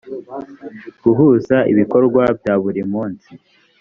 guhuza ibikorwa bya buri munsi